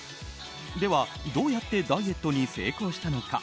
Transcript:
では、どうやってダイエットに成功したのか。